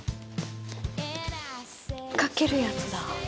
かけるやつだ。